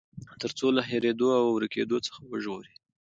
تر څو له هېريدو او ورکېدو څخه وژغوري.